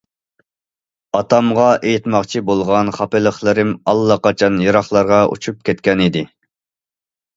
ئاتامغا ئېيتماقچى بولغان خاپىلىقلىرىم ئاللىقاچان يىراقلارغا ئۇچۇپ كەتكەنىدى.